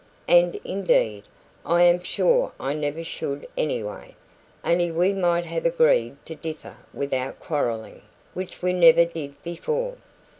And indeed, I am sure I never should anyway, only we might have agreed to differ without quarrelling, which we never did before.